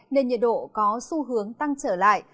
nên nhiệt độ có xu hướng tăng trở lại